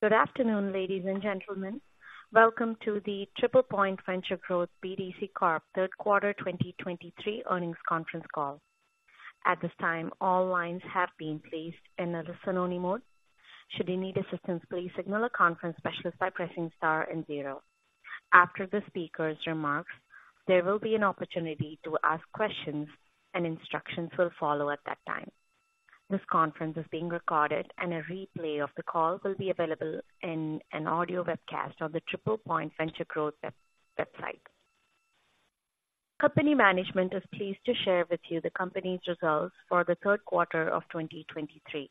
Good afternoon, ladies and gentlemen. Welcome to the TriplePoint Venture Growth BDC Corp Third Quarter 2023 Earnings Conference Call. At this time, all lines have been placed in a listen-only mode. Should you need assistance, please signal a conference specialist by pressing star and zero. After the speaker's remarks, there will be an opportunity to ask questions, and instructions will follow at that time. This conference is being recorded, and a replay of the call will be available in an audio webcast on the TriplePoint Venture Growth website. Company management is pleased to share with you the company's results for the third quarter of 2023.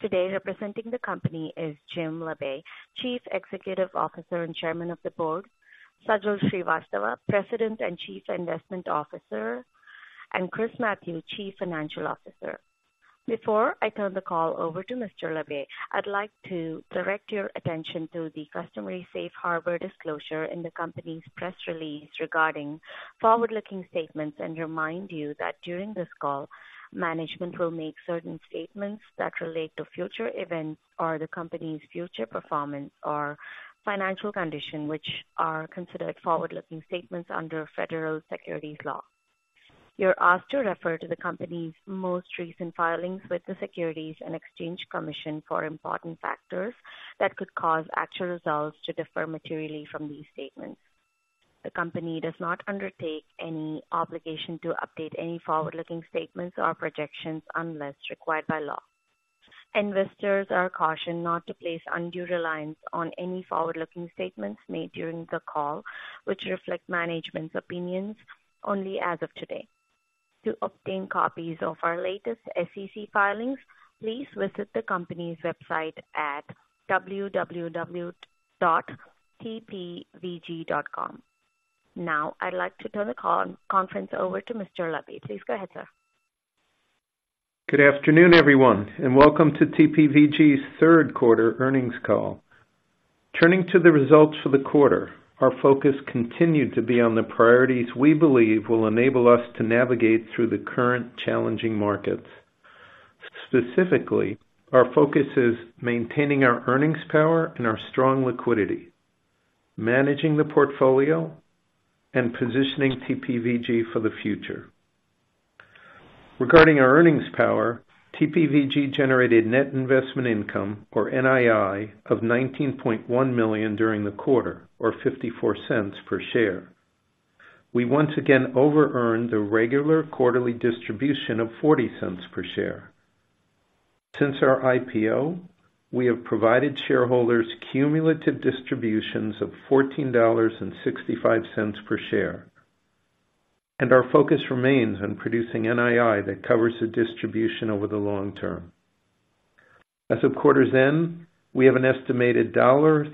Today, representing the company is Jim Labe, Chief Executive Officer and Chairman of the Board, Sajal Srivastava, President and Chief Investment Officer, and Chris Mathieu, Chief Financial Officer. Before I turn the call over to Mr. Labe, I'd like to direct your attention to the customary safe harbor disclosure in the company's press release regarding forward-looking statements, and remind you that during this call, management will make certain statements that relate to future events or the company's future performance or financial condition, which are considered forward-looking statements under federal securities law. You're asked to refer to the company's most recent filings with the Securities and Exchange Commission for important factors that could cause actual results to differ materially from these statements. The company does not undertake any obligation to update any forward-looking statements or projections unless required by law. Investors are cautioned not to place undue reliance on any forward-looking statements made during the call, which reflect management's opinions only as of today. To obtain copies of our latest SEC filings, please visit the company's website at www.tpvg.com. Now, I'd like to turn the conference over to Mr. Labe. Please go ahead, sir. Good afternoon, everyone, and welcome to TPVG's Third Quarter Earnings Call. Turning to the results for the quarter, our focus continued to be on the priorities we believe will enable us to navigate through the current challenging markets. Specifically, our focus is maintaining our earnings power and our strong liquidity, managing the portfolio, and positioning TPVG for the future. Regarding our earnings power, TPVG generated net investment income, or NII, of $19.1 million during the quarter, or $0.54 per share. We once again overearned a regular quarterly distribution of $0.40 per share. Since our IPO, we have provided shareholders cumulative distributions of $14.65 per share, and our focus remains on producing NII that covers the distribution over the long term. As of quarter's end, we have an estimated $3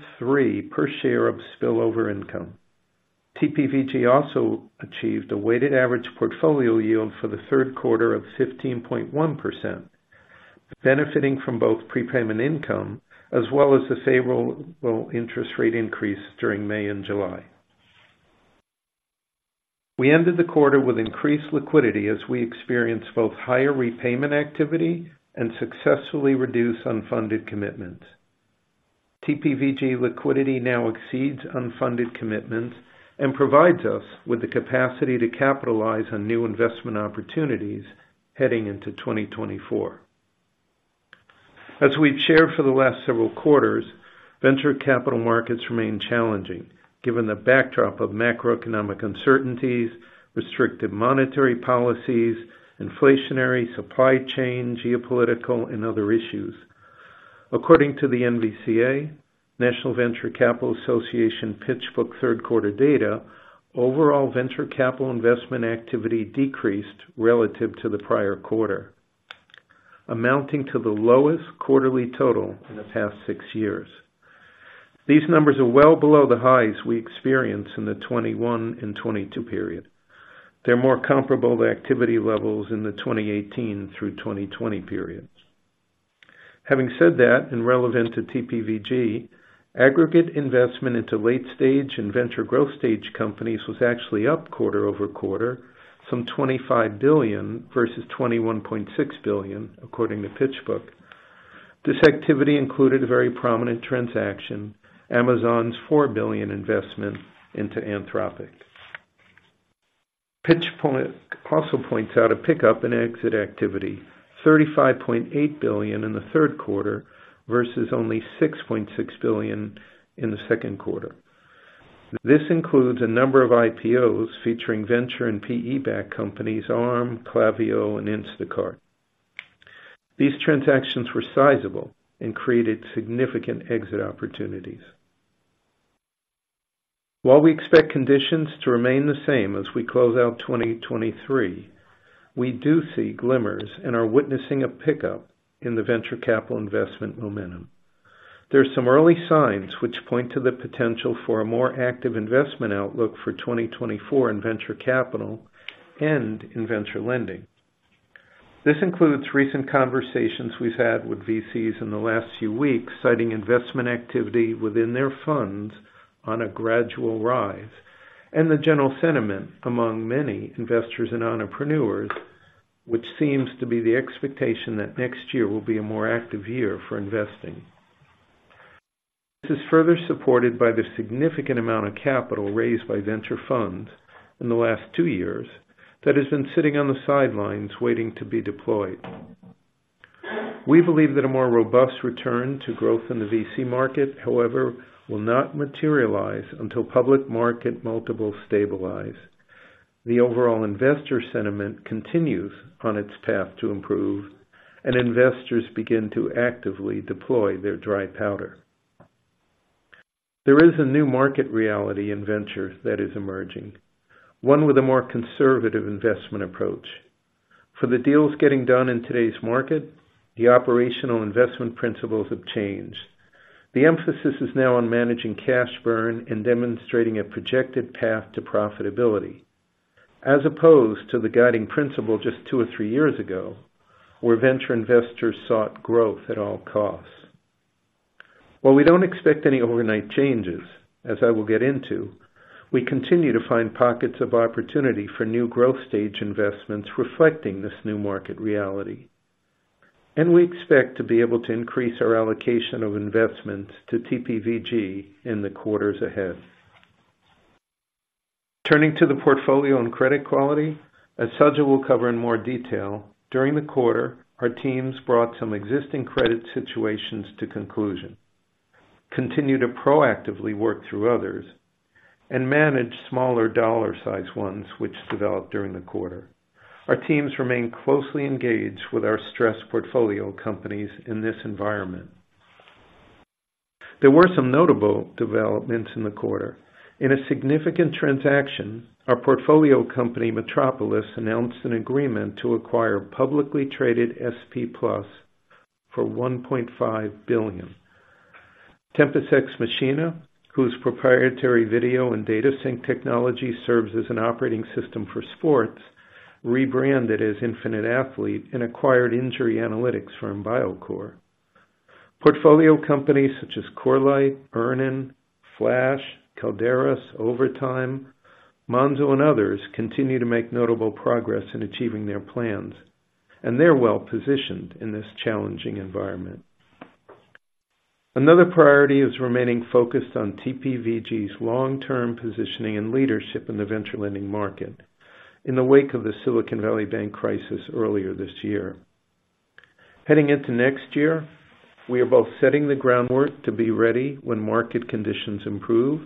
per share of spillover income. TPVG also achieved a weighted average portfolio yield for the third quarter of 15.1%, benefiting from both prepayment income as well as the favorable interest rate increase during May and July. We ended the quarter with increased liquidity as we experienced both higher repayment activity and successfully reduced unfunded commitments. TPVG liquidity now exceeds unfunded commitments and provides us with the capacity to capitalize on new investment opportunities heading into 2024. As we've shared for the last several quarters, venture capital markets remain challenging given the backdrop of macroeconomic uncertainties, restrictive monetary policies, inflationary supply chain, geopolitical, and other issues. According to the NVCA, National Venture Capital Association, PitchBook third quarter data, overall venture capital investment activity decreased relative to the prior quarter, amounting to the lowest quarterly total in the past six years. These numbers are well below the highs we experienced in the 2021 and 2022 period. They're more comparable to activity levels in the 2018 through 2020 periods. Having said that, and relevant to TPVG, aggregate investment into late stage and venture growth stage companies was actually up quarter-over-quarter from $25 billion versus $21.6 billion, according to PitchBook. This activity included a very prominent transaction, Amazon's $4 billion investment into Anthropic. PitchBook also points out a pickup in exit activity, $35.8 billion in the third quarter versus only $6.6 billion in the second quarter. This includes a number of IPOs featuring venture and PE-backed companies Arm, Klaviyo, and Instacart. These transactions were sizable and created significant exit opportunities. While we expect conditions to remain the same as we close out 2023, we do see glimmers and are witnessing a pickup in the venture capital investment momentum. There are some early signs which point to the potential for a more active investment outlook for 2024 in venture capital and in venture lending. This includes recent conversations we've had with VCs in the last few weeks, citing investment activity within their funds on a gradual rise, and the general sentiment among many investors and entrepreneurs, which seems to be the expectation that next year will be a more active year for investing. This is further supported by the significant amount of capital raised by venture funds in the last two years that has been sitting on the sidelines waiting to be deployed. We believe that a more robust return to growth in the VC market, however, will not materialize until public market multiples stabilize, the overall investor sentiment continues on its path to improve, and investors begin to actively deploy their dry powder. There is a new market reality in venture that is emerging, one with a more conservative investment approach. For the deals getting done in today's market, the operational investment principles have changed. The emphasis is now on managing cash burn and demonstrating a projected path to profitability, as opposed to the guiding principle just two or three years ago, where venture investors sought growth at all costs. While we don't expect any overnight changes, as I will get into, we continue to find pockets of opportunity for new growth stage investments reflecting this new market reality, and we expect to be able to increase our allocation of investments to TPVG in the quarters ahead. Turning to the portfolio and credit quality, as Sajal will cover in more detail, during the quarter, our teams brought some existing credit situations to conclusion, continued to proactively work through others, and managed smaller dollar-sized ones which developed during the quarter. Our teams remain closely engaged with our stressed portfolio companies in this environment. There were some notable developments in the quarter. In a significant transaction, our portfolio company, Metropolis, announced an agreement to acquire publicly traded SP+ for $1.5 billion. Tempus Ex Machina, whose proprietary video and data sync technology serves as an operating system for sports, rebranded as Infinite Athlete and acquired Injury Analytics from Biocore. Portfolio companies such as Corelight, EarnIn, Flash, Caldera, Overtime, Monzo, and others, continue to make notable progress in achieving their plans, and they're well-positioned in this challenging environment. Another priority is remaining focused on TPVG's long-term positioning and leadership in the venture lending market in the wake of the Silicon Valley Bank crisis earlier this year. Heading into next year, we are both setting the groundwork to be ready when market conditions improve,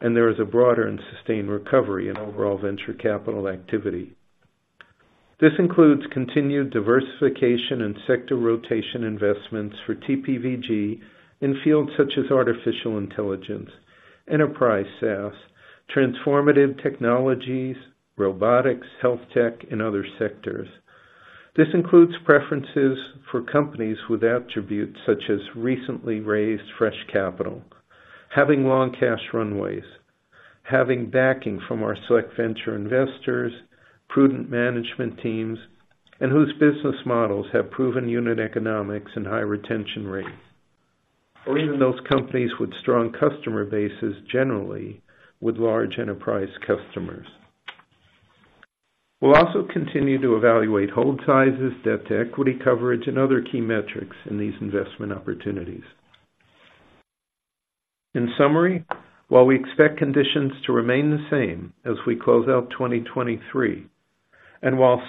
and there is a broader and sustained recovery in overall venture capital activity. This includes continued diversification and sector rotation investments for TPVG in fields such as artificial intelligence, enterprise SaaS, transformative technologies, robotics, healthtech, and other sectors. This includes preferences for companies with attributes such as recently raised fresh capital, having long cash runways, having backing from our select venture investors, prudent management teams, and whose business models have proven unit economics and high retention rates, or even those companies with strong customer bases, generally, with large enterprise customers. We'll also continue to evaluate hold sizes, debt to equity coverage, and other key metrics in these investment opportunities. In summary, while we expect conditions to remain the same as we close out 2023, and while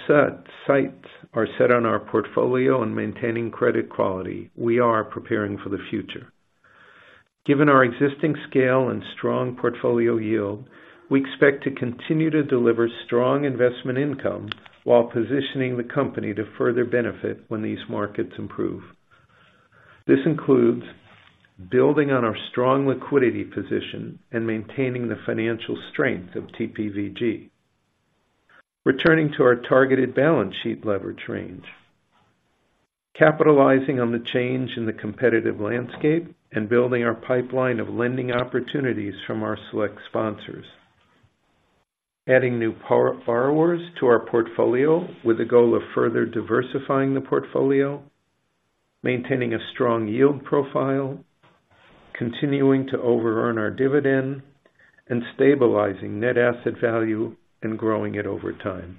sights are set on our portfolio on maintaining credit quality, we are preparing for the future. Given our existing scale and strong portfolio yield, we expect to continue to deliver strong investment income while positioning the company to further benefit when these markets improve. This includes building on our strong liquidity position and maintaining the financial strength of TPVG, returning to our targeted balance sheet leverage range, capitalizing on the change in the competitive landscape and building our pipeline of lending opportunities from our select sponsors, adding new powerhouse borrowers to our portfolio with the goal of further diversifying the portfolio, maintaining a strong yield profile, continuing to overearn our dividend, and stabilizing net asset value and growing it over time.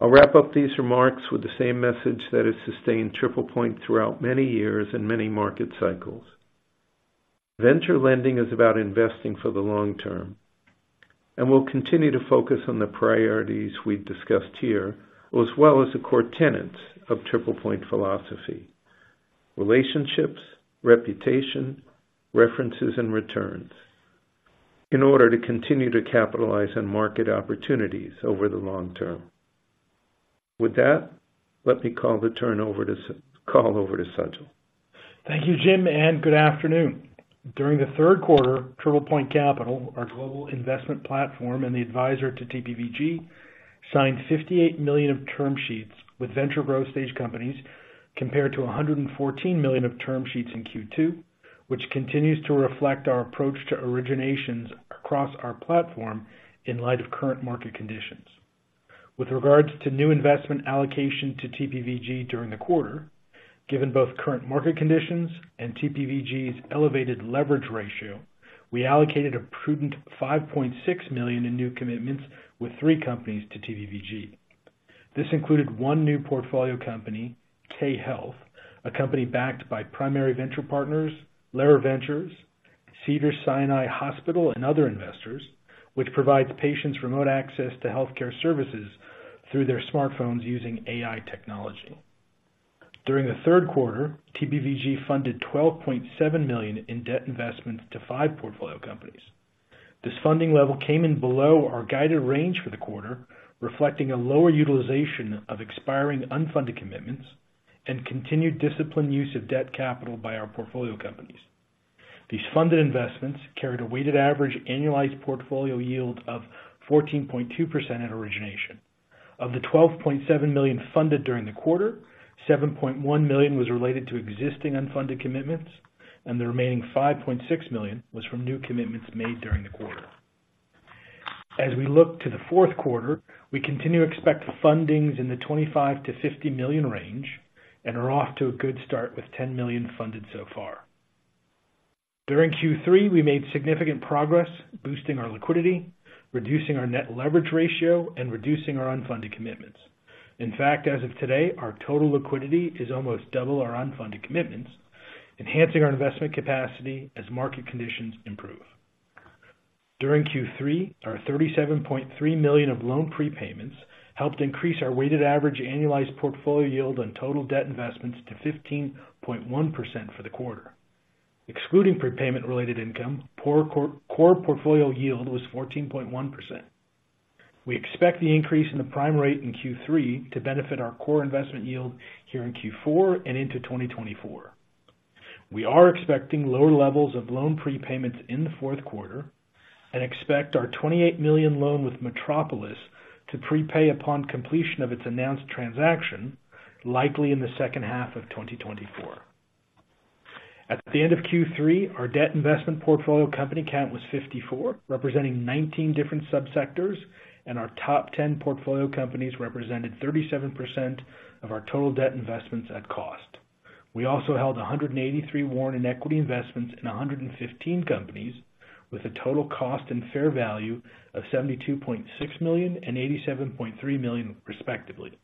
I'll wrap up these remarks with the same message that has sustained TriplePoint throughout many years and many market cycles. Venture lending is about investing for the long term, and we'll continue to focus on the priorities we've discussed here, as well as the core tenets of TriplePoint philosophy, relationships, reputation, references, and returns, in order to continue to capitalize on market opportunities over the long term. With that, let me call over to Sajal. Thank you, Jim, and good afternoon. During the third quarter, TriplePoint Capital, our global investment platform and the adviser to TPVG, signed $58 million of term sheets with venture growth-stage companies, compared to $114 million of term sheets in Q2, which continues to reflect our approach to originations across our platform in light of current market conditions. With regard to new investment allocation to TPVG during the quarter. Given both current market conditions and TPVG's elevated leverage ratio, we allocated a prudent $5.6 million in new commitments with three companies to TPVG. This included one new portfolio company, K Health, a company backed by Primary Venture Partners, Lerer Ventures, Cedars-Sinai Hospital, and other investors, which provides patients remote access to healthcare services through their smartphones using AI technology. During the third quarter, TPVG funded $12.7 million in debt investments to 5 portfolio companies. This funding level came in below our guided range for the quarter, reflecting a lower utilization of expiring unfunded commitments and continued disciplined use of debt capital by our portfolio companies. These funded investments carried a weighted average annualized portfolio yield of 14.2% at origination. Of the $12.7 million funded during the quarter, $7.1 million was related to existing unfunded commitments, and the remaining $5.6 million was from new commitments made during the quarter. As we look to the fourth quarter, we continue to expect fundings in the $25 million-$50 million range and are off to a good start with $10 million funded so far. During Q3, we made significant progress boosting our liquidity, reducing our net leverage ratio, and reducing our unfunded commitments. In fact, as of today, our total liquidity is almost double our unfunded commitments, enhancing our investment capacity as market conditions improve. During Q3, our $37.3 million of loan prepayments helped increase our weighted average annualized portfolio yield on total debt investments to 15.1% for the quarter. Excluding prepayment-related income, core portfolio yield was 14.1%. We expect the increase in the prime rate in Q3 to benefit our core investment yield here in Q4 and into 2024. We are expecting lower levels of loan prepayments in the fourth quarter and expect our $28 million loan with Metropolis to prepay upon completion of its announced transaction, likely in the second half of 2024. At the end of Q3, our debt investment portfolio company count was 54, representing 19 different subsectors, and our top 10 portfolio companies represented 37% of our total debt investments at cost. We also held 183 warrant and equity investments in 115 companies, with a total cost and fair value of $72.6 million and $87.3 million, respectively.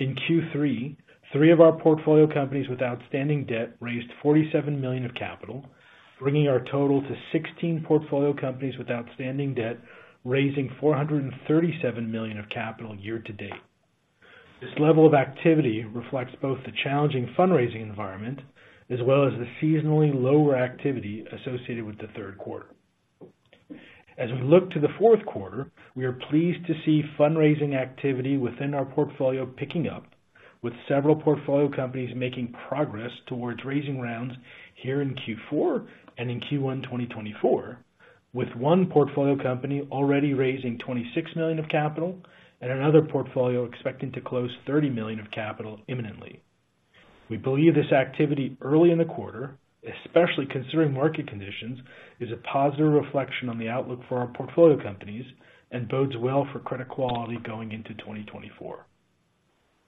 In Q3, three of our portfolio companies with outstanding debt raised $47 million of capital, bringing our total to 16 portfolio companies with outstanding debt, raising $437 million of capital year to date. This level of activity reflects both the challenging fundraising environment as well as the seasonally lower activity associated with the third quarter. As we look to the fourth quarter, we are pleased to see fundraising activity within our portfolio picking up, with several portfolio companies making progress towards raising rounds here in Q4 and in Q1 2024, with one portfolio company already raising $26 million of capital and another portfolio expecting to close $30 million of capital imminently. We believe this activity early in the quarter, especially considering market conditions, is a positive reflection on the outlook for our portfolio companies and bodes well for credit quality going into 2024.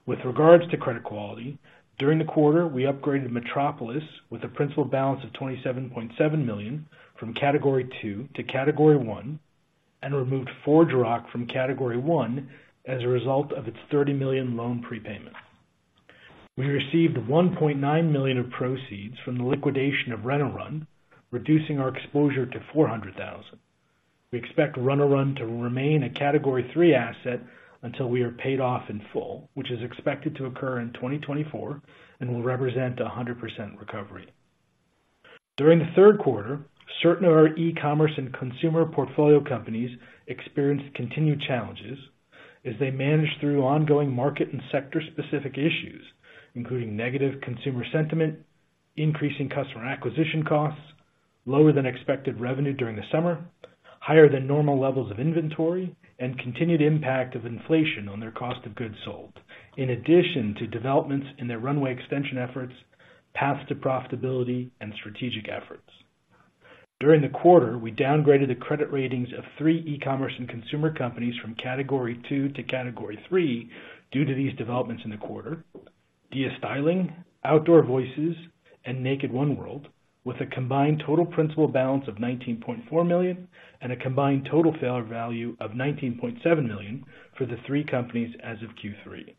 With regards to credit quality, during the quarter, we upgraded Metropolis with a principal balance of $27.7 million from Category Two to Category One and removed ForgeRock from Category One as a result of its $30 million loan prepayment. We received $1.9 million of proceeds from the liquidation of RenoRun, reducing our exposure to $400,000. We expect RenoRun to remain a Category Three asset until we are paid off in full, which is expected to occur in 2024 and will represent a 100% recovery. During the third quarter, certain of our e-commerce and consumer portfolio companies experienced continued challenges as they managed through ongoing market and sector-specific issues, including negative consumer sentiment, increasing customer acquisition costs, lower than expected revenue during the summer, higher than normal levels of inventory, and continued impact of inflation on their cost of goods sold, in addition to developments in their runway extension efforts, paths to profitability, and strategic efforts. During the quarter, we downgraded the credit ratings of three e-commerce and consumer companies from Category Two to Category Three due to these developments in the quarter. Dia Styling, Outdoor Voices, and Naked One World, with a combined total principal balance of $19.4 million and a combined total fair value of $19.7 million for the three companies as of Q3.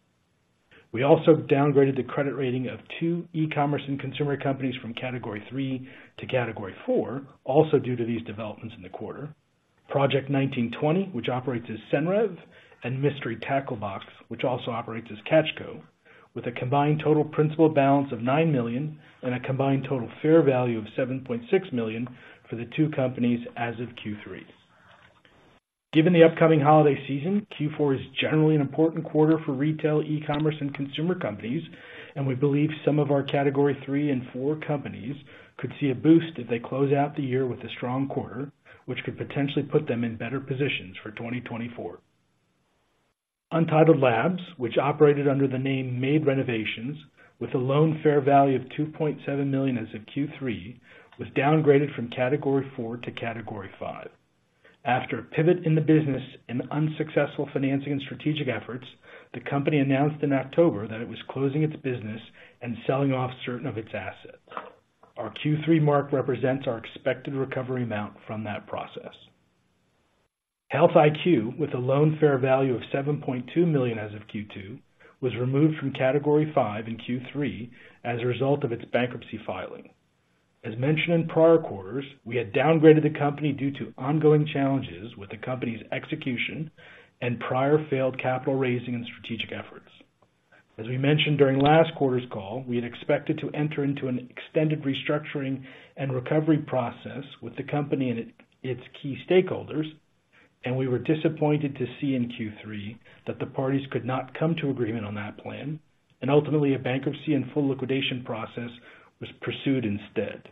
We also downgraded the credit rating of two e-commerce and consumer companies from Category Three to Category Four, also due to these developments in the quarter. Project 1920, which operates as Senreve, and Mystery Tackle Box, which also operates as Catch Co, with a combined total principal balance of $9 million and a combined total fair value of $7.6 million for the two companies as of Q3. Given the upcoming holiday season, Q4 is generally an important quarter for retail, e-commerce, and consumer companies, and we believe some of our Category Three and Four companies could see a boost if they close out the year with a strong quarter, which could potentially put them in better positions for 2024. Untitled Labs, which operated under the name Made Renovation, with a loan fair value of $2.7 million as of Q3, was downgraded from Category Four to Category Five. After a pivot in the business and unsuccessful financing and strategic efforts, the company announced in October that it was closing its business and selling off certain of its assets. Our Q3 mark represents our expected recovery amount from that process. Health IQ, with a loan fair value of $7.2 million as of Q2, was removed from Category Five in Q3 as a result of its bankruptcy filing. As mentioned in prior quarters, we had downgraded the company due to ongoing challenges with the company's execution and prior failed capital raising and strategic efforts. As we mentioned during last quarter's call, we had expected to enter into an extended restructuring and recovery process with the company and its key stakeholders, and we were disappointed to see in Q3 that the parties could not come to agreement on that plan, and ultimately, a bankruptcy and full liquidation process was pursued instead.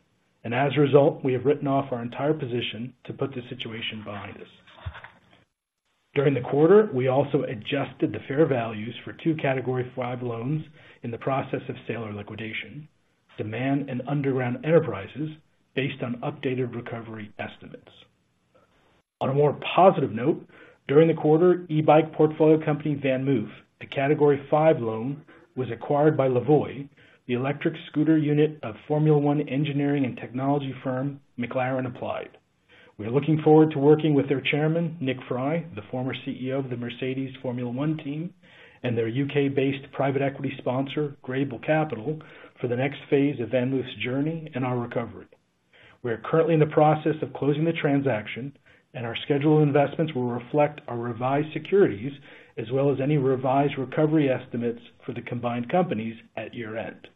And as a result, we have written off our entire position to put this situation behind us. During the quarter, we also adjusted the fair values for two Category Five loans in the process of sale or liquidation, Demand and Underground Enterprises, based on updated recovery estimates. On a more positive note, during the quarter, e-bike portfolio company, VanMoof, a Category Five loan, was acquired by Lavoie, the electric scooter unit of Formula One engineering and technology firm, McLaren Applied. We are looking forward to working with their chairman, Nick Fry, the former CEO of the Mercedes Formula One team, and their UK-based private equity sponsor, Greybull Capital, for the next phase of VanMoof's journey and our recovery. We are currently in the process of closing the transaction, and our schedule of investments will reflect our revised securities, as well as any revised recovery estimates for the combined companies at year-end.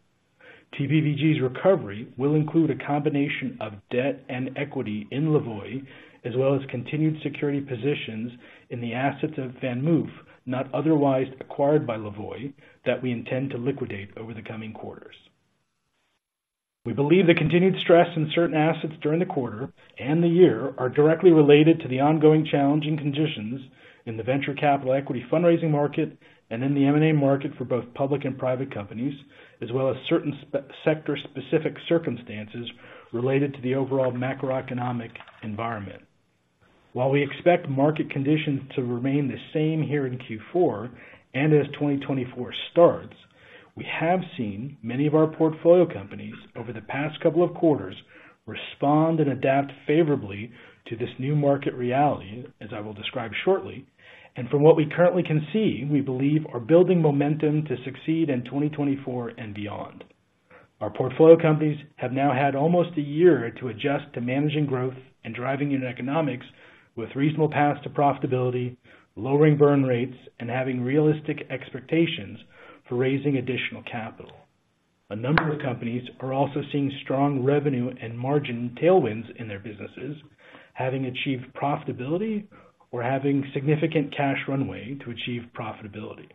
TPVG's recovery will include a combination of debt and equity in Lavoie, as well as continued security positions in the assets of VanMoof, not otherwise acquired by Lavoie, that we intend to liquidate over the coming quarters. We believe the continued stress in certain assets during the quarter and the year are directly related to the ongoing challenging conditions in the venture capital equity fundraising market and in the M&A market for both public and private companies, as well as certain sector-specific circumstances related to the overall macroeconomic environment. While we expect market conditions to remain the same here in Q4 and as 2024 starts, we have seen many of our portfolio companies over the past couple of quarters respond and adapt favorably to this new market reality, as I will describe shortly, and from what we currently can see, we believe are building momentum to succeed in 2024 and beyond. Our portfolio companies have now had almost a year to adjust to managing growth and driving unit economics with reasonable paths to profitability, lowering burn rates, and having realistic expectations for raising additional capital. A number of companies are also seeing strong revenue and margin tailwinds in their businesses, having achieved profitability or having significant cash runway to achieve profitability.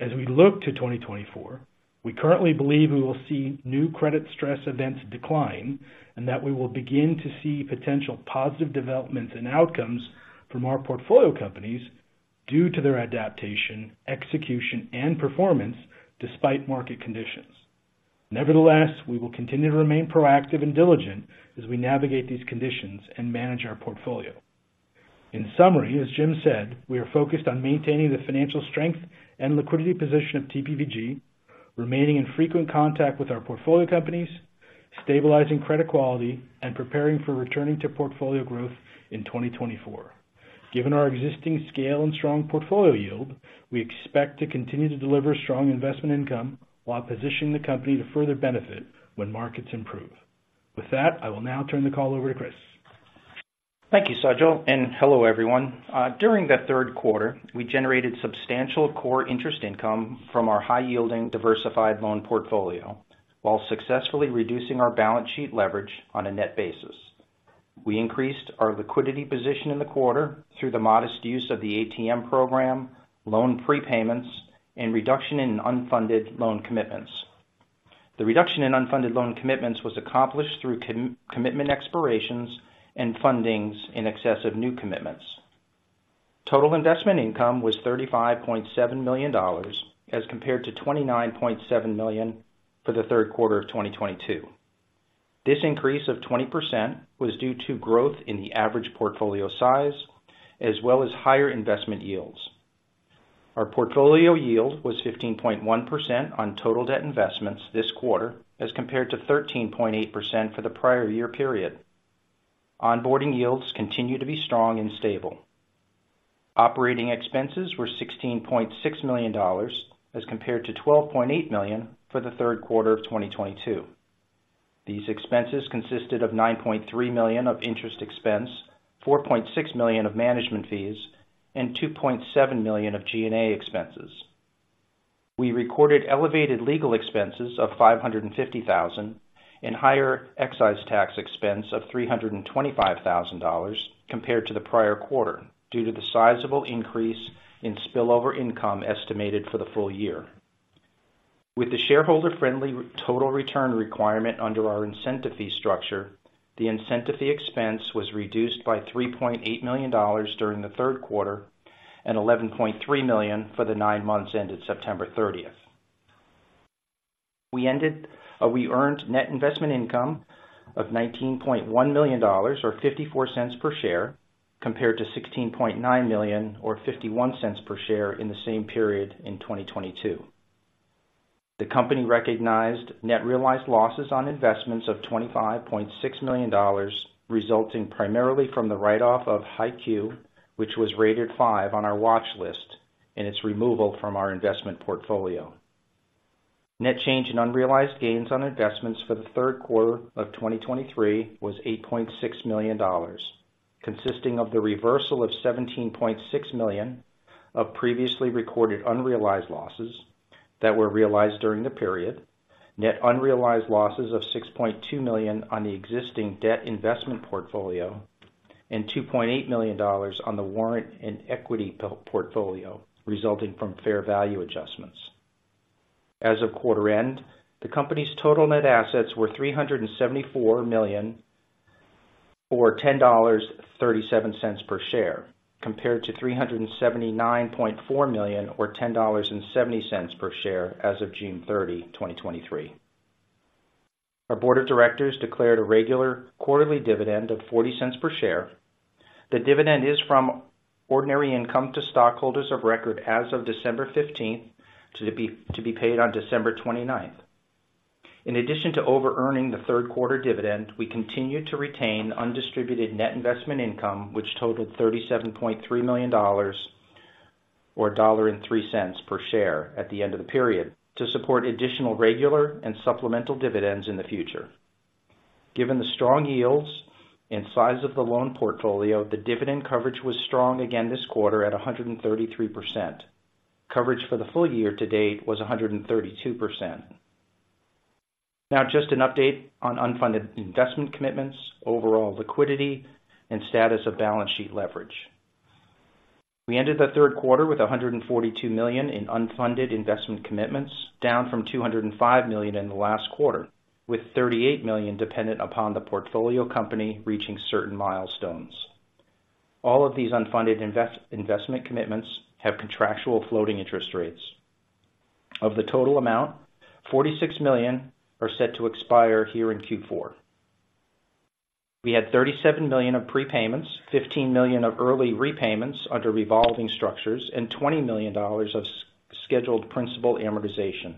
As we look to 2024, we currently believe we will see new credit stress events decline, and that we will begin to see potential positive developments and outcomes from our portfolio companies due to their adaptation, execution, and performance despite market conditions. Nevertheless, we will continue to remain proactive and diligent as we navigate these conditions and manage our portfolio. In summary, as Jim said, we are focused on maintaining the financial strength and liquidity position of TPVG, remaining in frequent contact with our portfolio companies, stabilizing credit quality, and preparing for returning to portfolio growth in 2024. Given our existing scale and strong portfolio yield, we expect to continue to deliver strong investment income while positioning the company to further benefit when markets improve. With that, I will now turn the call over to Chris. Thank you, Sajal, and hello, everyone. During the third quarter, we generated substantial core interest income from our high-yielding, diversified loan portfolio, while successfully reducing our balance sheet leverage on a net basis. We increased our liquidity position in the quarter through the modest use of the ATM program, loan prepayments, and reduction in unfunded loan commitments. The reduction in unfunded loan commitments was accomplished through commitment expirations and fundings in excess of new commitments. Total investment income was $35.7 million, as compared to $29.7 million for the third quarter of 2022. This increase of 20% was due to growth in the average portfolio size, as well as higher investment yields. Our portfolio yield was 15.1% on total debt investments this quarter, as compared to 13.8% for the prior year period. Onboarding yields continue to be strong and stable. Operating expenses were $16.6 million, as compared to $12.8 million for the third quarter of 2022. These expenses consisted of $9.3 million of interest expense, $4.6 million of management fees, and $2.7 million of G&A expenses. We recorded elevated legal expenses of $550,000, and higher excise tax expense of $325,000 compared to the prior quarter, due to the sizable increase in spillover income estimated for the full year. With the shareholder-friendly total return requirement under our incentive fee structure, the incentive fee expense was reduced by $3.8 million during the third quarter and $11.3 million for the nine months ended September 30. We ended, we earned net investment income of $19.1 million or $0.54 per share, compared to $16.9 million or $0.51 per share in the same period in 2022. The company recognized net realized losses on investments of $25.6 million, resulting primarily from the write-off of HiQ, which was rated five on our watch list, and its removal from our investment portfolio. Net change in unrealized gains on investments for the third quarter of 2023 was $8.6 million, consisting of the reversal of $17.6 million of previously recorded unrealized losses that were realized during the period, net unrealized losses of $6.2 million on the existing debt investment portfolio, and $2.8 million on the warrant and equity portfolio, resulting from fair value adjustments. As of quarter-end, the company's total net assets were $374 million, or $10.37 per share, compared to $379.4 million or $10.70 per share as of June 30, 2023. Our board of directors declared a regular quarterly dividend of $0.40 per share. The dividend is from ordinary income to stockholders of record as of December 15th, to be paid on December 29th. In addition to overearning the third quarter dividend, we continued to retain undistributed net investment income, which totaled $37.3 million or $1.03 per share at the end of the period, to support additional regular and supplemental dividends in the future. Given the strong yields and size of the loan portfolio, the dividend coverage was strong again this quarter at 133%. Coverage for the full year to date was 132%. Now, just an update on unfunded investment commitments, overall liquidity, and status of balance sheet leverage. We ended the third quarter with $142 million in unfunded investment commitments, down from $205 million in the last quarter, with $38 million dependent upon the portfolio company reaching certain milestones. All of these unfunded investment commitments have contractual floating interest rates. Of the total amount, $46 million are set to expire here in Q4. We had $37 million of prepayments, $15 million of early repayments under revolving structures, and $20 million of scheduled principal amortization,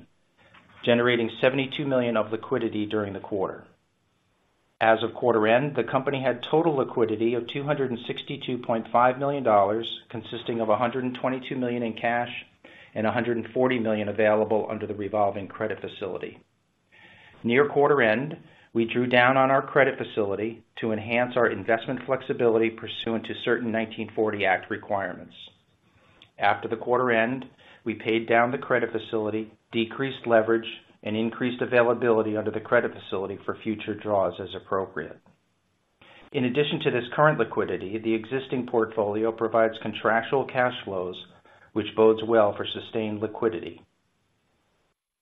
generating $72 million of liquidity during the quarter. As of quarter-end, the company had total liquidity of $262.5 million, consisting of $122 million in cash and $140 million available under the revolving credit facility. Near quarter-end, we drew down on our credit facility to enhance our investment flexibility pursuant to certain 1940 Act requirements. After the quarter-end, we paid down the credit facility, decreased leverage, and increased availability under the credit facility for future draws as appropriate. In addition to this current liquidity, the existing portfolio provides contractual cash flows, which bodes well for sustained liquidity.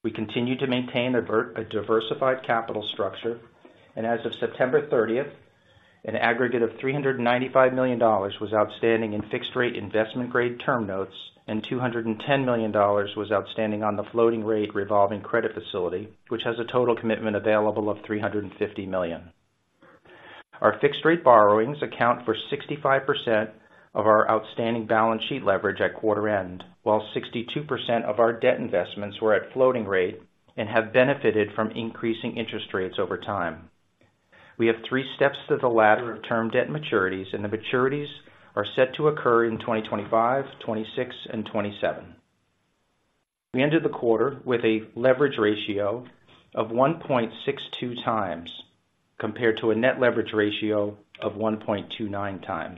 We continue to maintain a very diversified capital structure, and as of September 30, an aggregate of $395 million was outstanding in fixed-rate investment-grade term notes, and $210 million was outstanding on the floating rate revolving credit facility, which has a total commitment available of $350 million. Our fixed-rate borrowings account for 65% of our outstanding balance sheet leverage at quarter-end, while 62% of our debt investments were at floating rate and have benefited from increasing interest rates over time. We have three steps to the ladder of term debt maturities, and the maturities are set to occur in 2025, 2026 and 2027. We ended the quarter with a leverage ratio of 1.62x, compared to a net leverage ratio of 1.29x.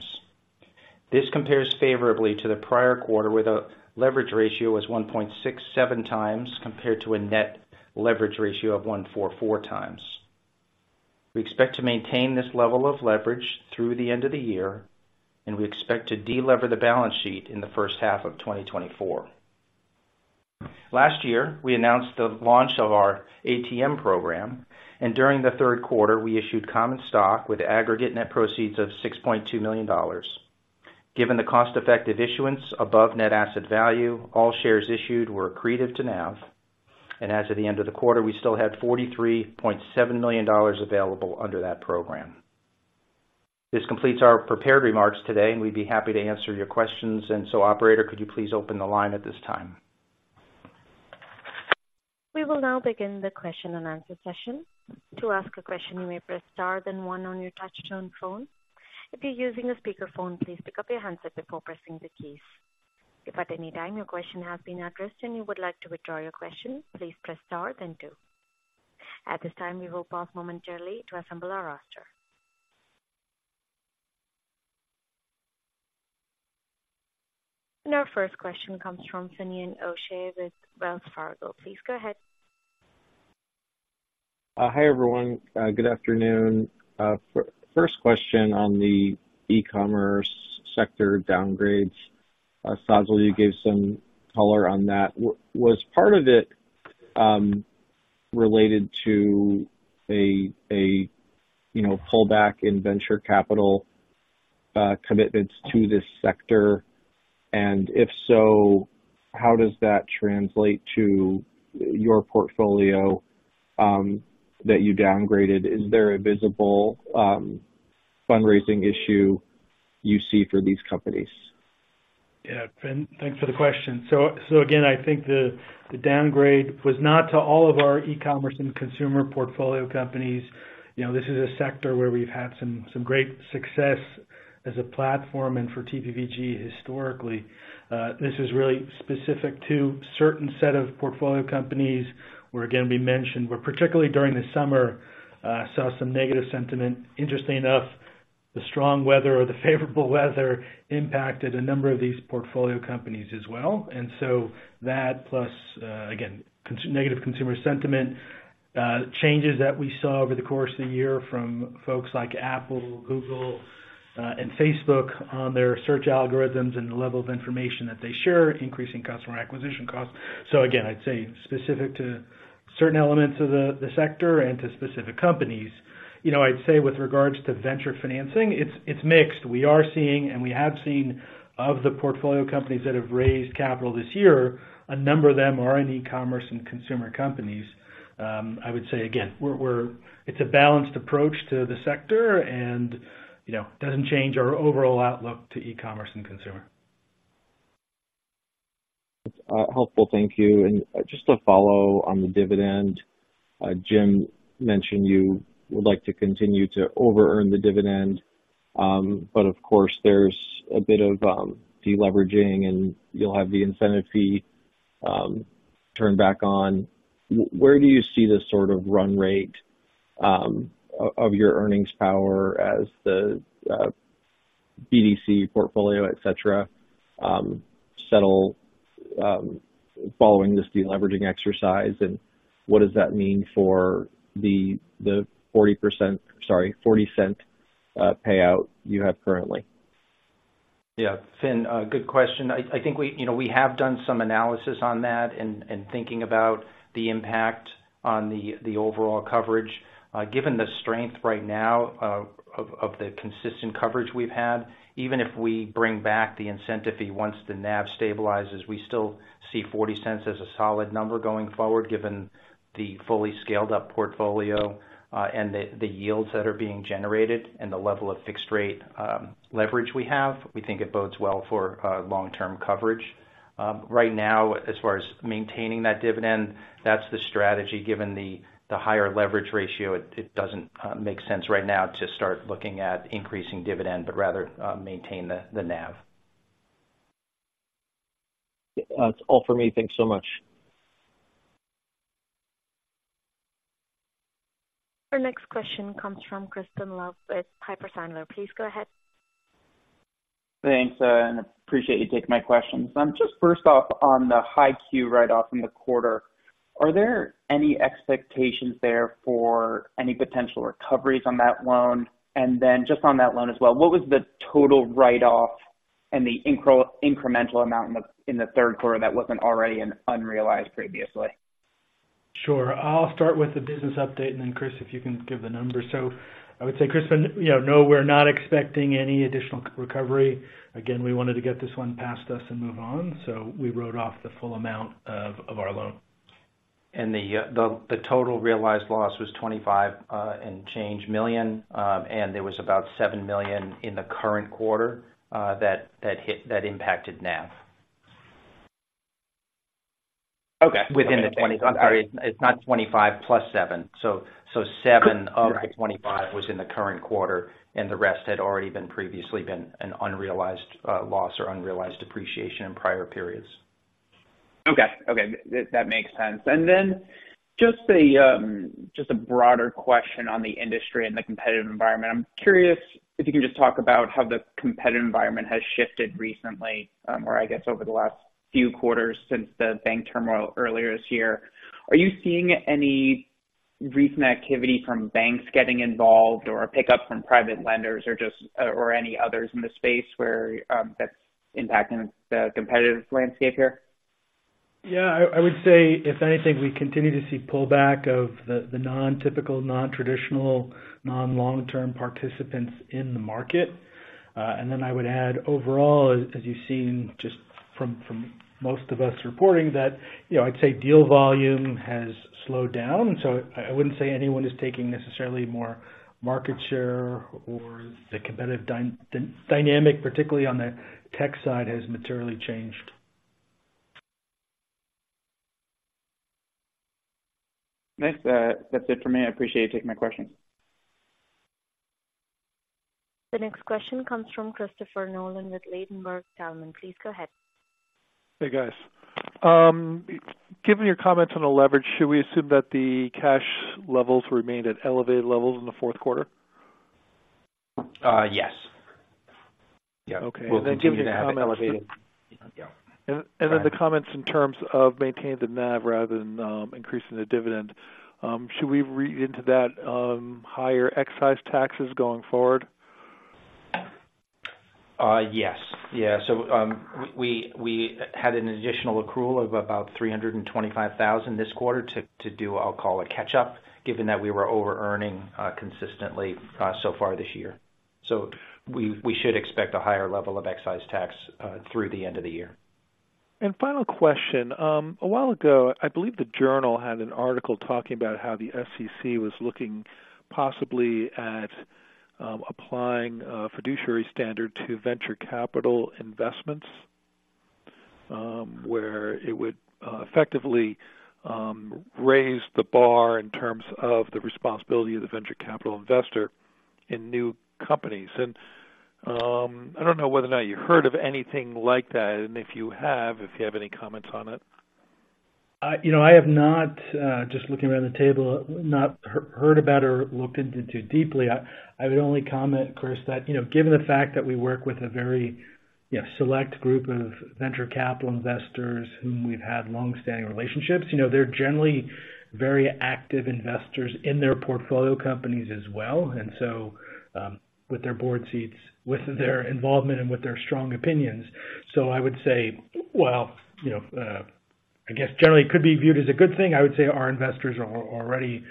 This compares favorably to the prior quarter, where the leverage ratio was 1.67x compared to a net leverage ratio of 1.44x. We expect to maintain this level of leverage through the end of the year, and we expect to delever the balance sheet in the first half of 2024. Last year, we announced the launch of our ATM program, and during the third quarter, we issued common stock with aggregate net proceeds of $6.2 million. Given the cost-effective issuance above net asset value, all shares issued were accretive to NAV, and as of the end of the quarter, we still had $43.7 million available under that program. This completes our prepared remarks today, and we'd be happy to answer your questions. And so, operator, could you please open the line at this time? We will now begin the question and answer session. To ask a question, you may press star then one on your touchtone phone. If you're using a speakerphone, please pick up your handset before pressing the keys. If at any time your question has been addressed and you would like to withdraw your question, please press star then two. At this time, we will pause momentarily to assemble our roster. Our first question comes from Finian O'Shea with Wells Fargo. Please go ahead. Hi, everyone, good afternoon. First question on the e-commerce sector downgrades. Sajal, you gave some color on that. Was part of it related to, you know, pullback in venture capital commitments to this sector? And if so, how does that translate to your portfolio that you downgraded? Is there a visible fundraising issue you see for these companies? Yeah, Finian, thanks for the question. So again, I think the downgrade was not to all of our e-commerce and consumer portfolio companies. You know, this is a sector where we've had some great success as a platform and for TPVG historically. This is really specific to certain set of portfolio companies, where again we mentioned, where particularly during the summer saw some negative sentiment. Interestingly enough, the strong weather or the favorable weather impacted a number of these portfolio companies as well. And so that plus again negative consumer sentiment, changes that we saw over the course of the year from folks like Apple, Google, and Facebook on their search algorithms and the level of information that they share, increasing customer acquisition costs. So again, I'd say specific to certain elements of the sector and to specific companies. You know, I'd say with regard to venture financing, it's mixed. We are seeing, and we have seen, of the portfolio companies that have raised capital this year, a number of them are in e-commerce and consumer companies. I would say again, we're, it's a balanced approach to the sector and, you know, doesn't change our overall outlook to e-commerce and consumer. Helpful. Thank you. And just to follow on the dividend, Jim mentioned you would like to continue to overearn the dividend. But of course, there's a bit of deleveraging, and you'll have the incentive fee turned back on. Where do you see this sort of run rate of your earnings power as the BDC portfolio, et cetera, settle following this deleveraging exercise? And what does that mean for the 40%, sorry, $0.40 payout you have currently? Yeah, Finian, good question. I, I think we, you know, we have done some analysis on that and, and thinking about the impact on the, the overall coverage. Given the strength right now, of, of the consistent coverage we've had, even if we bring back the incentive fee once the NAV stabilizes, we still see $0.40 as a solid number going forward, given the fully scaled up portfolio, and the, the yields that are being generated and the level of fixed-rate, leverage we have. We think it bodes well for, long-term coverage. Right now, as far as maintaining that dividend, that's the strategy. Given the, the higher leverage ratio, it, it doesn't, make sense right now to start looking at increasing dividend, but rather, maintain the, the NAV. Yeah. That's all for me. Thanks so much. Our next question comes from Crispin Love with Piper Sandler. Please go ahead. Thanks, and appreciate you taking my questions. Just first off, on the Health IQ write-off in the quarter, are there any expectations there for any potential recoveries on that loan? And then just on that loan as well, what was the total write-off and the incremental amount in the third quarter that wasn't already in unrealized previously? Sure. I'll start with the business update, and then, Chris, if you can give the numbers. So I would say, Crispin, you know, no, we're not expecting any additional recovery. Again, we wanted to get this one past us and move on, so we wrote off the full amount of our loan. The total realized loss was $25 and change million. There was about $7 million in the current quarter that impacted NAV. Okay. Sorry, it's not 25 plus 7. So, 7 of the 25 was in the current quarter, and the rest had already been previously an unrealized loss or unrealized appreciation in prior periods. Okay. Okay, that, that makes sense. And then just a, just a broader question on the industry and the competitive environment. I'm curious if you can just talk about how the competitive environment has shifted recently, or I guess over the last few quarters since the bank turmoil earlier this year. Are you seeing any recent activity from banks getting involved or a pickup from private lenders or just, or any others in the space where, that's impacting the competitive landscape here? Yeah, I would say if anything, we continue to see pullback of the non-typical, nontraditional, non-long-term participants in the market. And then I would add, overall, as you've seen just from most of us reporting that, you know, I'd say deal volume has slowed down. So I wouldn't say anyone is taking necessarily more market share or the competitive dynamic, particularly on the tech side, has materially changed. Thanks. That's it for me. I appreciate you taking my questions. The next question comes from Christopher Nolan with Ladenburg Thalmann. Please go ahead. Hey, guys. Given your comments on the leverage, should we assume that the cash levels remained at elevated levels in the fourth quarter? Yes. Yeah. We'll continue to have elevated. Yeah. Then the comments in terms of maintaining the NAV rather than increasing the dividend, should we read into that, higher excise taxes going forward? Yes. Yeah, so, we had an additional accrual of about $325,000 this quarter to do, I'll call it, catch up, given that we were overearning consistently so far this year. So we should expect a higher level of excise tax through the end of the year. Final question. A while ago, I believe the Journal had an article talking about how the SEC was looking possibly at applying a fiduciary standard to venture capital investments, where it would effectively raise the bar in terms of the responsibility of the venture capital investor in new companies. I don't know whether or not you heard of anything like that, and if you have, if you have any comments on it. You know, I have not, just looking around the table, heard about or looked into too deeply. I would only comment, Chris, that, you know, given the fact that we work with a very, you know, select group of venture capital investors whom we've had long-standing relationships, you know, they're generally very active investors in their portfolio companies as well, and so, with their board seats, with their involvement and with their strong opinions. So I would say, well, you know, I guess generally it could be viewed as a good thing. I would say our investors are already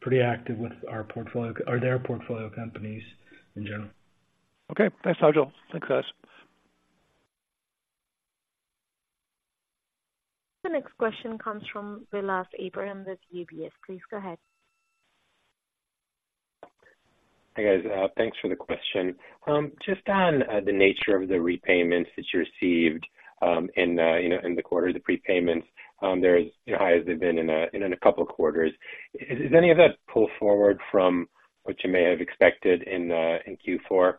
pretty active with our portfolio or their portfolio companies in general. Okay. Thanks, Sajal. Thanks, guys. The next question comes from Vilas Abraham with UBS. Please go ahead. Hi, guys. Thanks for the question. Just on the nature of the repayments that you received, you know, in the quarter, the prepayments, there's, you know, high as they've been in a couple of quarters. Is any of that pulled forward from what you may have expected in Q4?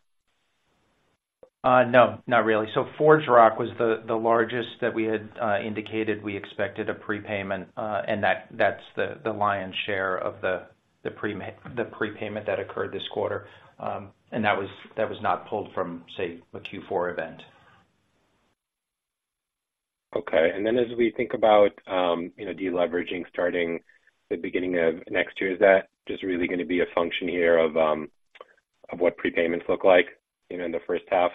No, not really. So ForgeRock was the largest that we had indicated we expected a prepayment, and that's the lion's share of the prepayment that occurred this quarter. And that was not pulled from, say, a Q4 event. Okay. And then as we think about, you know, deleveraging starting the beginning of next year, is that just really gonna be a function here of, of what prepayments look like, you know, in the first half?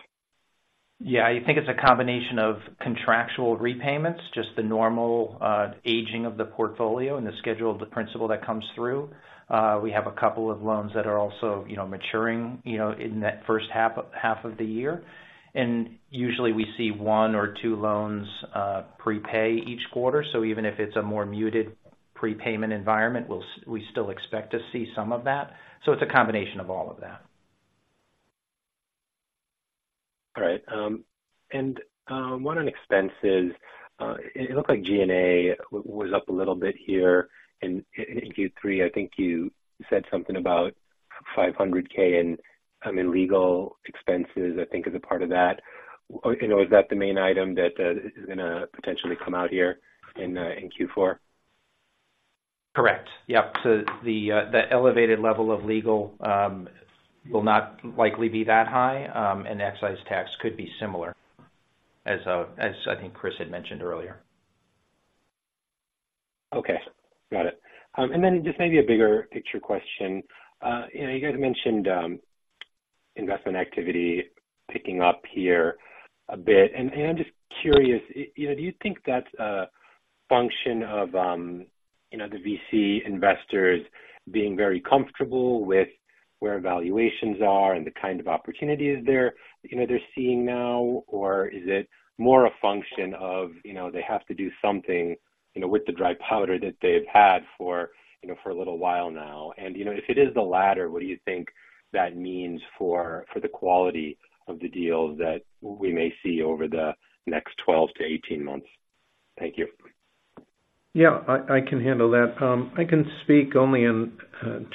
Yeah, I think it's a combination of contractual repayments, just the normal aging of the portfolio and the schedule of the principal that comes through. We have a couple of loans that are also, you know, maturing, you know, in that first half, half of the year. And usually we see one or two loans prepay each quarter. So even if it's a more muted prepayment environment, we'll still expect to see some of that. So it's a combination of all of that. All right. And, one on expenses. It looked like G&A was up a little bit here in Q3. I think you said something about $500,000 in legal expenses, I think is a part of that. You know, is that the main item that is gonna potentially come out here in Q4? Correct. Yep. So the elevated level of legal will not likely be that high, and the excise tax could be similar, as I think Chris had mentioned earlier. Okay, got it. And then just maybe a bigger picture question. You know, you guys mentioned investment activity picking up here a bit. And I'm just curious, you know, do you think that's a function of you know, the VC investors being very comfortable with where valuations are and the kind of opportunities they're, you know, they're seeing now? Or is it more a function of, you know, they have to do something, you know, with the dry powder that they've had for, you know, for a little while now? And, you know, if it is the latter, what do you think that means for the quality of the deals that we may see over the next 12-18 months? Thank you. Yeah, I can handle that. I can speak only in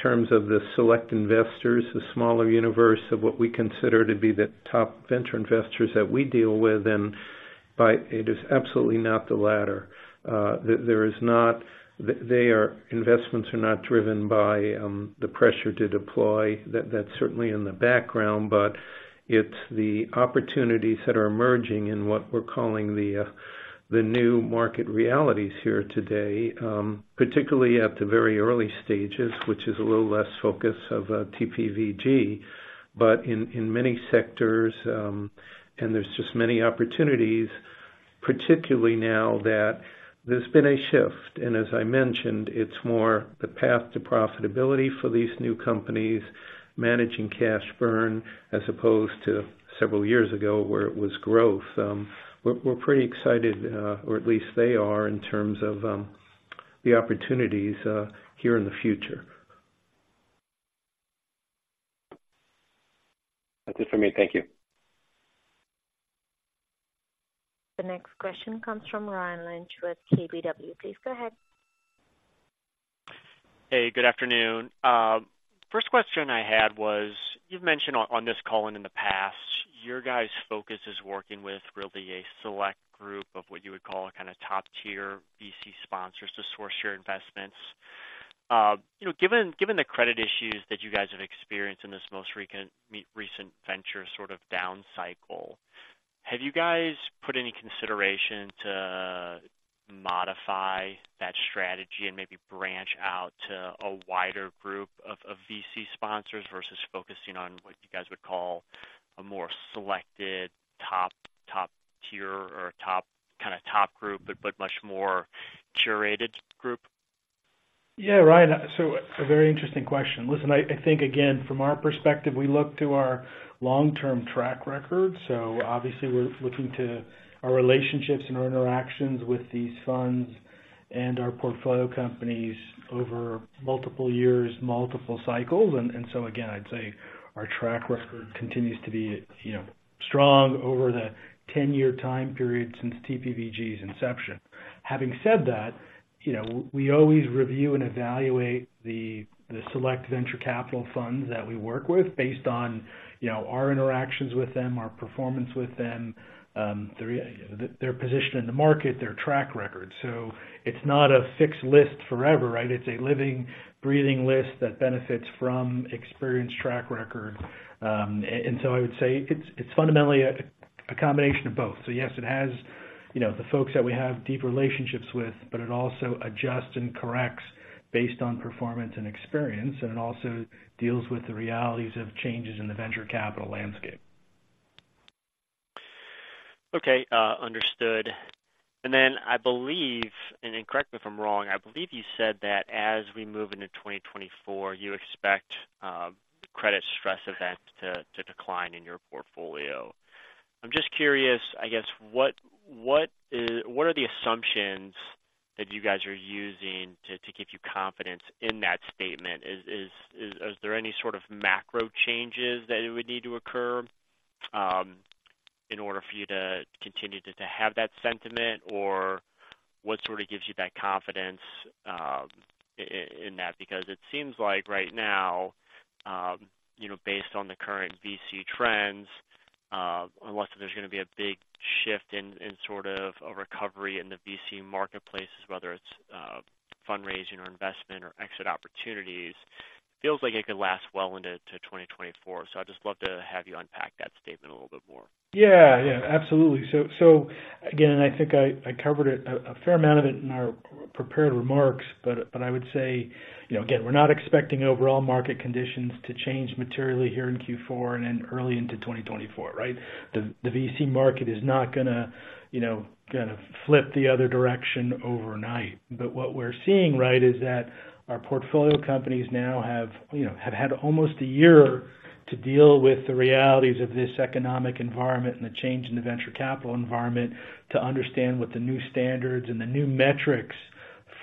terms of the select investors, the smaller universe of what we consider to be the top venture investors that we deal with, and it is absolutely not the latter. Their investments are not driven by the pressure to deploy. That's certainly in the background, but it's the opportunities that are emerging in what we're calling the new market realities here today, particularly at the very early stages, which is a little less focus of TPVG, but in many sectors, and there's just many opportunities, particularly now that there's been a shift. And as I mentioned, it's more the path to profitability for these new companies managing cash burn, as opposed to several years ago, where it was growth. We're pretty excited, or at least they are, in terms of the opportunities here in the future. That's it for me. Thank you. The next question comes from Ryan Lynch with KBW. Please go ahead. Hey, good afternoon. First question I had was, you've mentioned on this call and in the past, your guys' focus is working with really a select group of what you would call a kind of top-tier VC sponsors to source your investments. You know, given the credit issues that you guys have experienced in this most recent venture sort of down cycle. Have you guys put any consideration to modify that strategy and maybe branch out to a wider group of, of VC sponsors versus focusing on what you guys would call a more selected top, top tier or top kind of top group, but, but much more curated group? Yeah, Ryan, so a very interesting question. Listen, I think, again, from our perspective, we look to our long-term track record. So obviously, we're looking to our relationships and our interactions with these funds and our portfolio companies over multiple years, multiple cycles. And so again, I'd say our track record continues to be, you know, strong over the 10-year time period since TPVG's inception. Having said that, you know, we always review and evaluate the select venture capital funds that we work with based on, you know, our interactions with them, our performance with them, their position in the market, their track record. So it's not a fixed list forever, right? It's a living, breathing list that benefits from experienced track record. And so I would say it's fundamentally a combination of both. So yes, it has, you know, the folks that we have deep relationships with, but it also adjusts and corrects based on performance and experience, and it also deals with the realities of changes in the venture capital landscape. Okay, understood. And then I believe, and correct me if I'm wrong, I believe you said that as we move into 2024, you expect credit stress events to decline in your portfolio. I'm just curious, I guess, what—what are the assumptions that you guys are using to give you confidence in that statement? Is there any sort of macro changes that it would need to occur in order for you to continue to have that sentiment? Or what sort of gives you that confidence in that? Because it seems like right now, you know, based on the current VC trends, unless there's gonna be a big shift in sort of a recovery in the VC marketplace, whether it's fundraising or investment or exit opportunities, feels like it could last well into 2024. So I'd just love to have you unpack that statement a little bit more. Yeah, yeah, absolutely. So again, I think I covered it a fair amount of it in our prepared remarks, but I would say, you know, again, we're not expecting overall market conditions to change materially here in Q4 and then early into 2024, right? The VC market is not gonna, you know, flip the other direction overnight. But what we're seeing, right, is that our portfolio companies now have, you know, had almost a year to deal with the realities of this economic environment and the change in the venture capital environment, to understand what the new standards and the new metrics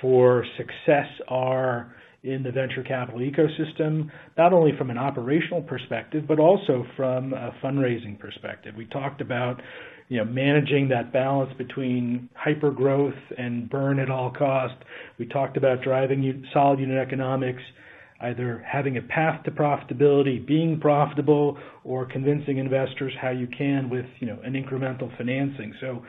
for success are in the venture capital ecosystem, not only from an operational perspective, but also from a fundraising perspective. We talked about, you know, managing that balance between hypergrowth and burn at all costs. We talked about driving solid unit economics, either having a path to profitability, being profitable, or convincing investors how you can with, you know, an incremental financing. So,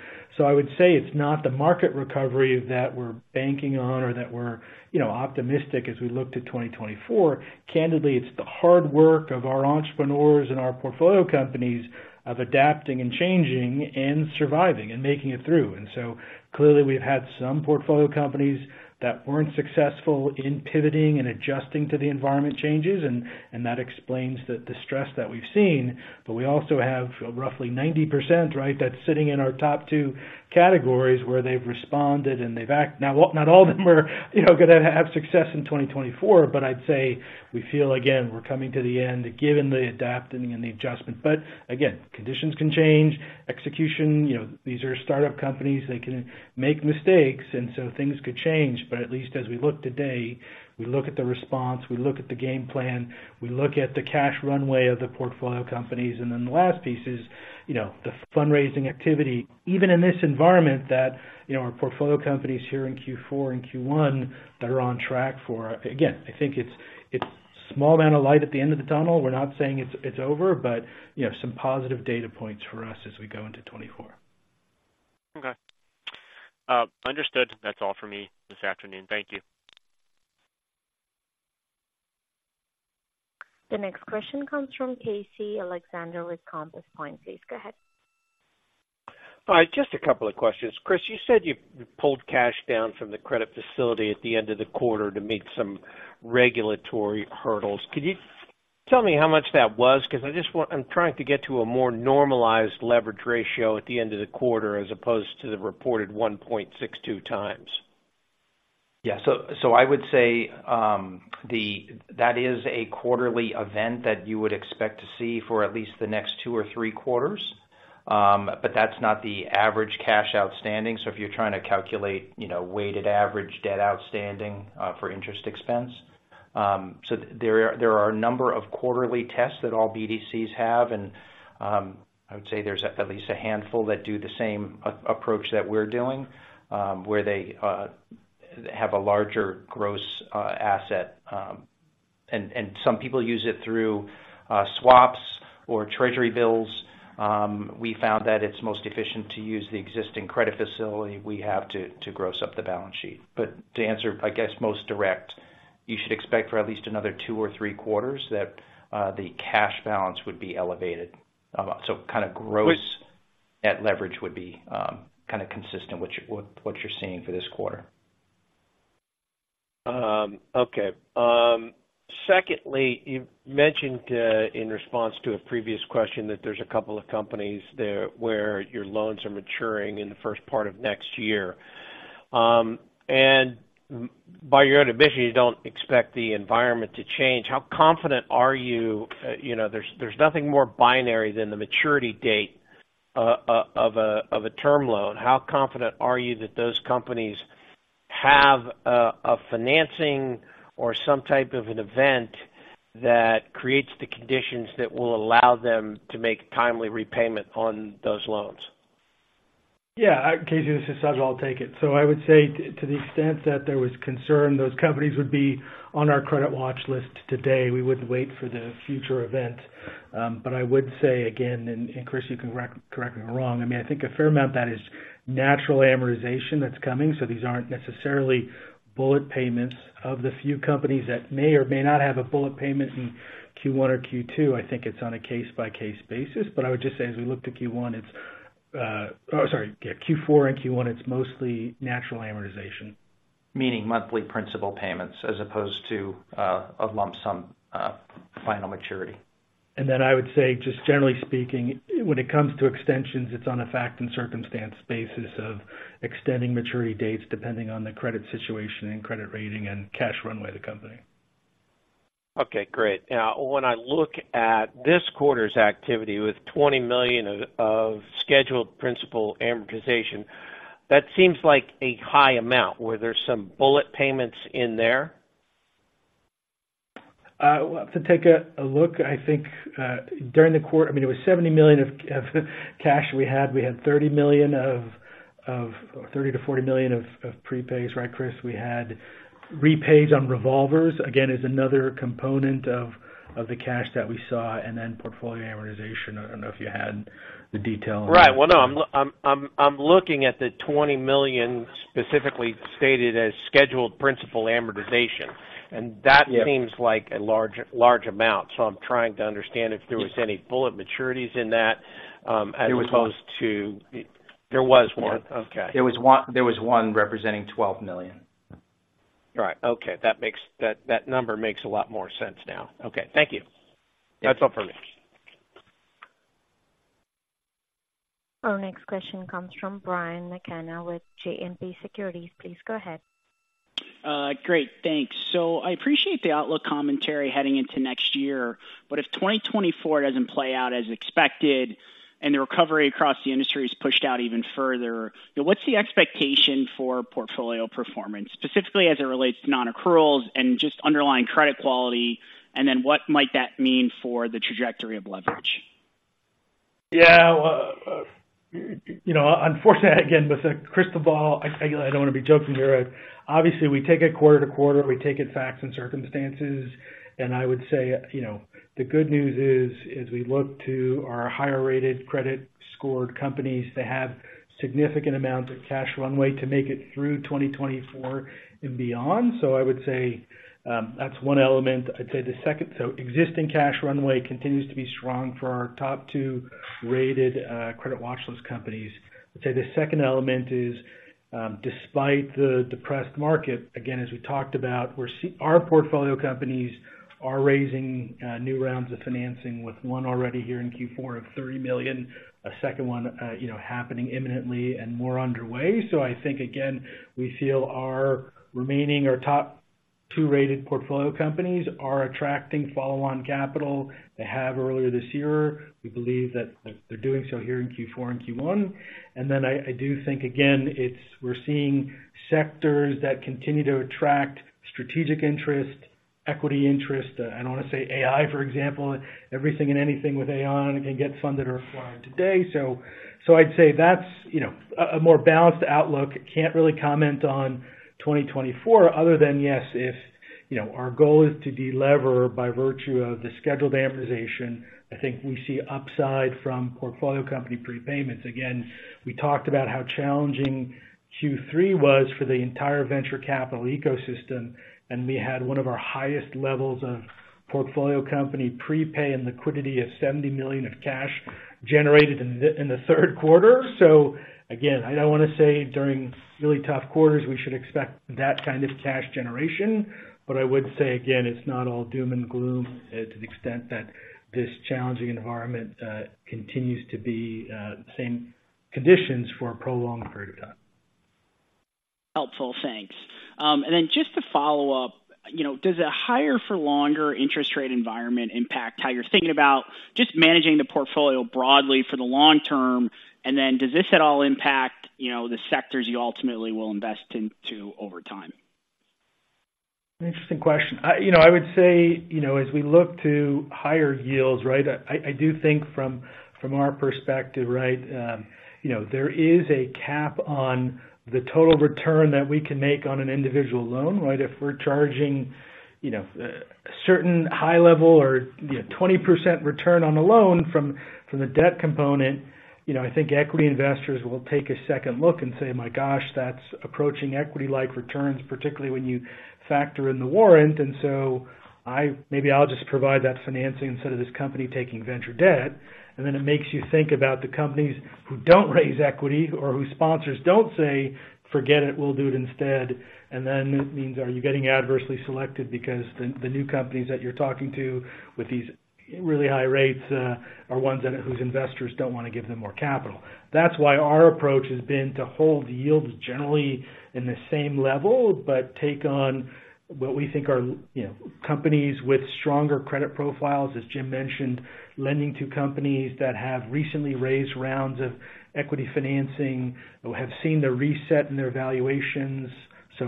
I would say it's not the market recovery that we're banking on or that we're, you know, optimistic as we look to 2024. Candidly, it's the hard work of our entrepreneurs and our portfolio companies of adapting and changing and surviving and making it through. So clearly, we've had some portfolio companies that weren't successful in pivoting and adjusting to the environment changes, and that explains the stress that we've seen. But we also have roughly 90%, right, that's sitting in our top two categories, where they've responded, and they've—Now, not all of them are, you know, gonna have success in 2024, but I'd say we feel, again, we're coming to the end, given the adapting and the adjustment. But again, conditions can change. Execution, you know, these are startup companies. They can make mistakes, and so things could change. But at least as we look today, we look at the response, we look at the game plan, we look at the cash runway of the portfolio companies. And then the last piece is, you know, the fundraising activity, even in this environment, that, you know, our portfolio companies here in Q4 and Q1 that are on track for. Again, I think it's, it's small dot of light at the end of the tunnel. We're not saying it's over, but, you know, some positive data points for us as we go into 2024. Okay, understood. That's all for me this afternoon. Thank you. The next question comes from Casey Alexander with Compass Point. Please go ahead. Hi, just a couple of questions. Chris, you said you pulled cash down from the credit facility at the end of the quarter to meet some regulatory hurdles. Could you tell me how much that was? Because I just want, I'm trying to get to a more normalized leverage ratio at the end of the quarter, as opposed to the reported 1.62x. Yeah. So I would say that is a quarterly event that you would expect to see for at least the next two or three quarters. But that's not the average cash outstanding. So if you're trying to calculate, you know, weighted average debt outstanding for interest expense. So there are a number of quarterly tests that all BDCs have, and I would say there's at least a handful that do the same approach that we're doing, where they have a larger gross asset. And some people use it through swaps or Treasury bills. We found that it's most efficient to use the existing credit facility we have to gross up the balance sheet. But to answer, I guess, most direct. You should expect for at least another two or three quarters that the cash balance would be elevated. So kind of gross, that leverage would be kind of consistent with what, what you're seeing for this quarter. Okay. Secondly, you've mentioned in response to a previous question that there's a couple of companies there where your loans are maturing in the first part of next year. And by your own admission, you don't expect the environment to change. How confident are you? You know, there's nothing more binary than the maturity date of a term loan. How confident are you that those companies have a financing or some type of an event that creates the conditions that will allow them to make timely repayment on those loans? Yeah, Casey, this is Sajal, I'll take it. So I would say to the extent that there was concern, those companies would be on our credit watch list today. We wouldn't wait for the future event. But I would say again, and, Chris, you can correct me wrong. I mean, I think a fair amount of that is natural amortization that's coming. So these aren't necessarily bullet payments. Of the few companies that may or may not have a bullet payment in Q1 or Q2, I think it's on a case-by-case basis. But I would just say, as we look to Q1, it's Q4 and Q1, it's mostly natural amortization. Meaning monthly principal payments as opposed to a lump sum final maturity. And then I would say, just generally speaking, when it comes to extensions, it's on a fact and circumstance basis of extending maturity dates, depending on the credit situation and credit rating and cash runway of the company. Okay, great. Now, when I look at this quarter's activity with $20 million of, of scheduled principal amortization, that seems like a high amount. Were there some bullet payments in there? We'll have to take a look. I think during the quarter, I mean, it was $70 million of cash we had. We had $30 million-$40 million of prepays, right, Chris? We had repays on revolvers, again, is another component of the cash that we saw, and then portfolio amortization. I don't know if you had the detail. Right. Well, no, I'm looking at the $20 million specifically stated as scheduled principal amortization, and that seems like a large, large amount. So I'm trying to understand if there was any bullet maturities in that, as opposed to there was one? Okay. There was one, there was one representing $12 million. Right. Okay, that number makes a lot more sense now. Okay. Thank you. That's all for me. Our next question comes from Brian McKenna with JMP Securities. Please go ahead. Great, thanks. So I appreciate the outlook commentary heading into next year, but if 2024 doesn't play out as expected and the recovery across the industry is pushed out even further, what's the expectation for portfolio performance, specifically as it relates to non-accruals and just underlying credit quality? And then what might that mean for the trajectory of leverage? Yeah, well, you know, unfortunately, again, with a crystal ball, I don't want to be joking here. Obviously, we take it quarter to quarter. We take it facts and circumstances. And I would say, you know, the good news is, as we look to our higher-rated credit scored companies, they have significant amounts of cash runway to make it through 2024 and beyond. So I would say, that's one element. I'd say the second. So existing cash runway continues to be strong for our top two rated, credit watch list companies. I'd say the second element is, despite the depressed market, again, as we talked about, we're seeing our portfolio companies are raising, new rounds of financing, with one already here in Q4 of $30 million, a second one, you know, happening imminently and more underway. So I think, again, we feel our remaining, our top two-rated portfolio companies are attracting follow-on capital. They have earlier this year. We believe that they're doing so here in Q4 and Q1. And then I, I do think, again, it's. We're seeing sectors that continue to attract strategic interest, equity interest. I don't want to say AI, for example, everything and anything with AI on it can get funded or acquired today. So, so I'd say that's, you know, a, a more balanced outlook. Can't really comment on 2024, other than, yes, if, you know, our goal is to delever by virtue of the scheduled amortization. I think we see upside from portfolio company prepayments. Again, we talked about how challenging Q3 was for the entire venture capital ecosystem, and we had one of our highest levels of portfolio company prepay and liquidity of $70 million of cash generated in the third quarter. So again, I don't want to say during really tough quarters, we should expect that kind of cash generation, but I would say, again, it's not all doom and gloom to the extent that this challenging environment continues to be the same conditions for a prolonged period of time. Helpful. Thanks. And then just to follow up, you know, does a higher for longer interest rate environment impact how you're thinking about just managing the portfolio broadly for the long term? And then does this at all impact, you know, the sectors you ultimately will invest into over time? An interesting question. I, you know, I would say, you know, as we look to higher yields, right? I, I do think from, from our perspective, right, you know, there is a cap on the total return that we can make on an individual loan, right? If we're charging, you know, a certain high level or, you know, 20% return on a loan from, from the debt component, you know, I think equity investors will take a second look and say, "My gosh, that's approaching equity-like returns," particularly when you factor in the warrant. And so I, maybe I'll just provide that financing instead of this company taking venture debt. And then it makes you think about the companies who don't raise equity or whose sponsors don't say, "Forget it, we'll do it instead." And then it means, are you getting adversely selected because the new companies that you're talking to with these really high rates are ones that whose investors don't want to give them more capital? That's why our approach has been to hold yields generally in the same level, but take on what we think are, you know, companies with stronger credit profiles, as Jim mentioned, lending to companies that have recently raised rounds of equity financing or have seen the reset in their valuations. So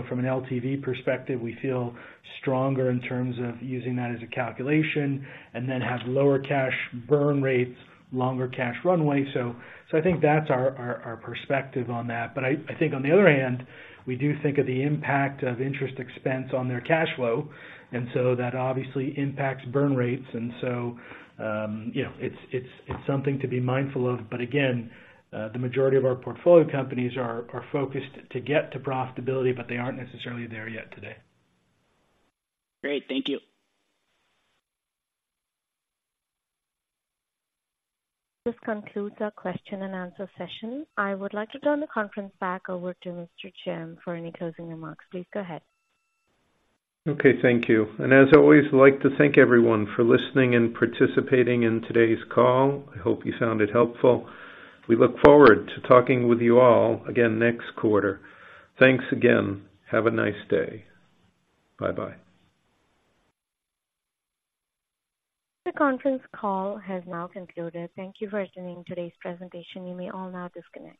from an LTV perspective, we feel stronger in terms of using that as a calculation and then have lower cash burn rates, longer cash runway. So I think that's our perspective on that. But I think on the other hand, we do think of the impact of interest expense on their cash flow, and so that obviously impacts burn rates. And so, you know, it's something to be mindful of. But again, the majority of our portfolio companies are focused to get to profitability, but they aren't necessarily there yet today. Great, thank you. This concludes our question and answer session. I would like to turn the conference back over to Mr. Jim for any closing remarks. Please go ahead. Okay, thank you. As always, I'd like to thank everyone for listening and participating in today's call. I hope you found it helpful. We look forward to talking with you all again next quarter. Thanks again. Have a nice day. Bye-bye. The conference call has now concluded. Thank you for attending today's presentation. You may all now disconnect.